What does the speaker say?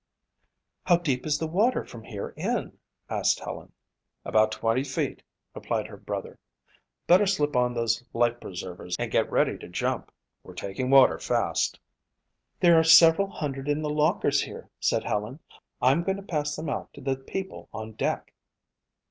"How deep is the water from here in?" asked Helen. "About twenty feet," replied her brother. "Better slip on those life preservers and get ready to jump. We're taking water fast." "There are several hundred in the lockers here," said Helen. "I'm going to pass them out to the people on deck."